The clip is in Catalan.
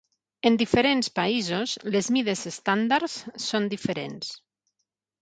En diferents països, les mides "estàndards" són diferents.